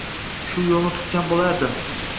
shu yoʻlni tutgan boʻlardim